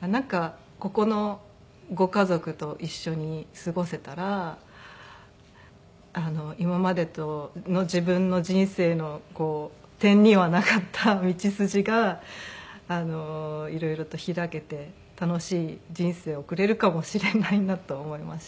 なんかここのご家族と一緒に過ごせたら今までの自分の人生の点にはなかった道筋が色々と開けて楽しい人生を送れるかもしれないなと思いまして。